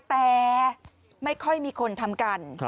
แต่ไม่ค่อยมีคนทำกัน